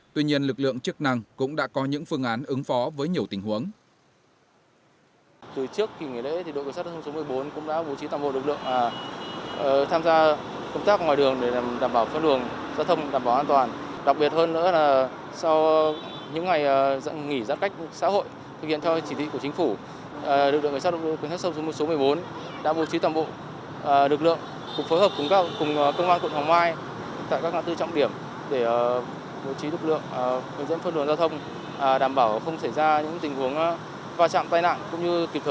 tuy nhiên lực lượng chức năng cũng đã có những phương án ứng phó với nhiều tình huống